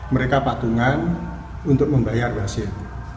mereka patungan untuk membayar pasien